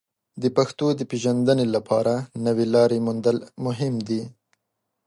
د پښتو د پیژندنې لپاره نوې لارې موندل مهم دي.